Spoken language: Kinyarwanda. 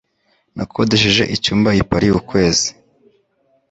Nakodesheje icyumba i Paris ukwezi.